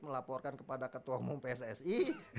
melaporkan kepada ketua umum pssi